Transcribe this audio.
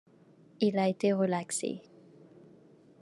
Il a été relaxé.